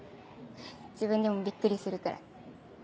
自分でもびっくりするくらい。